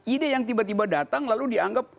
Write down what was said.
ide yang tiba tiba datang lalu dianggap